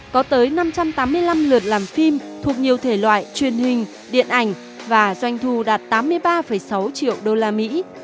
có tới năm trăm tám mươi năm lượt làm phim thuộc nhiều thể loại truyền hình điện ảnh và doanh thu đạt tám mươi ba sáu triệu usd